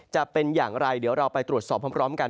จะเป็นอย่างไรเดี๋ยวเราไปตรวจสอบพร้อมกัน